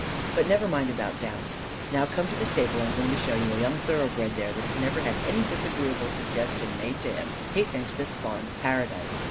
But never mind about Downs. Now come to the stable: I am going to show you a young thoroughbred there that has never had a disagreeable suggestion made to him: he thinks this farm paradise.